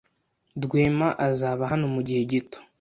Rwema azaba hano mugihe gito.